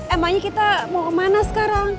emangnya kita mau kemana sekarang